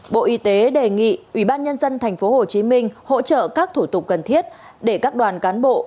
bộ y tế đề nghị ủy ban nhân dân tp hcm hỗ trợ các thủ tục cần thiết để các đoàn cán bộ